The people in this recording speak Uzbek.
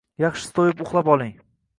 Yaxshisi to‘yib uxlab oling.